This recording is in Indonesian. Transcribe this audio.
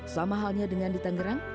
sama halnya dengan di tangerang